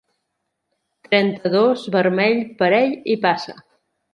Trenta-dos, vermell, parell i passa.